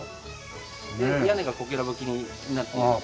屋根がこけら葺きになっているとか。